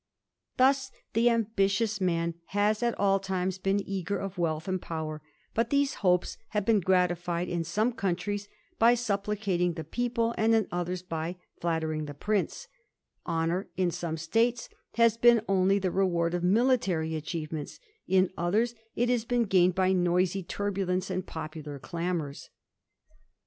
Thus the ambitious man has at all times been eager of wealth and power; but these hopes have been gratified in some countries by supplicating the people, tod in others by flattering the prince : honour in some states has been only the reward of military achievements, in others it has been gained by noisy turbulence and popular clamours.